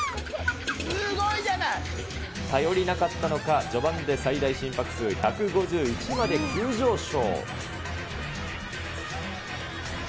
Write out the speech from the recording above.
頼りなかったのか、序盤で最大心拍数１５１まで急上昇。